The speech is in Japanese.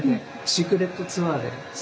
シークレットツアーで。